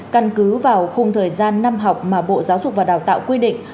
căn cứ vào khung thời gian năm học mà bộ giáo dục và đào tạo quy định